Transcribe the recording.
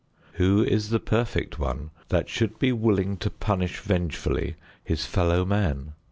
Who is the perfect one that should be willing to punish vengefully his fellow man?